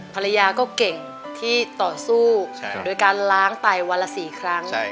ภรรยาก็เก่งที่ต่อสู้โดยการล้างไตวันละ๔ครั้ง